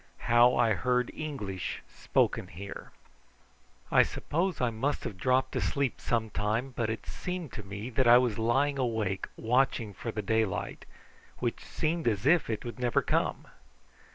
HOW I HEARD ENGLISH SPOKEN HERE. I suppose I must have dropped asleep some time, but it seemed to me that I was lying awake watching for the daylight, which seemed as if it would never come.